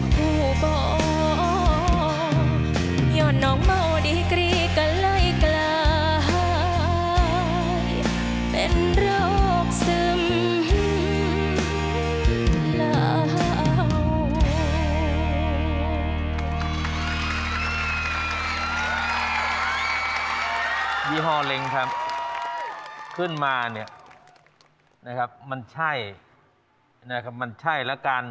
พูดบ่ยอดนองเมาดีกรีก็ไล่กลาย